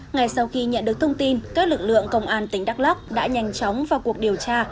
ngay sau khi nhận được thông tin các lực lượng công an tỉnh đắk lắc đã nhanh chóng vào cuộc điều tra